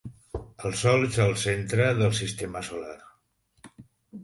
El Sol és el centre del sistema solar.